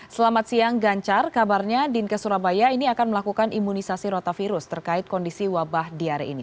selamat siang gancar kabarnya dinkes surabaya ini akan melakukan imunisasi rotavirus terkait kondisi wabah diare ini